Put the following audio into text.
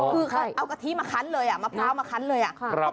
อ๋อคือใครเอากะทิมาคั้นเลยอะมะพร้าวมาคั้นเลยอะครับ